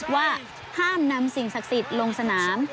ว่าห้ามนำสิ่งศักดิ์สิทธิ์ลงสนาม